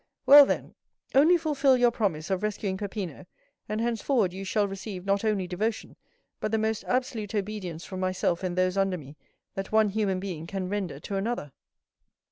"Well, then, only fulfil your promise of rescuing Peppino, and henceforward you shall receive not only devotion, but the most absolute obedience from myself and those under me that one human being can render to another."